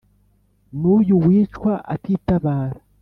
n’uyu wicwa atitabara ‘